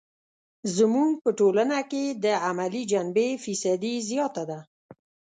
زموږ په ټولنه کې یې د عملي جنبې فیصدي زیاته ده.